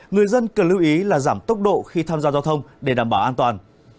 người dân cần lưu ý là giảm tốc độ khi tham gia giao thông để đảm bảo an toàn